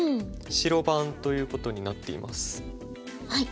白番ということになっています。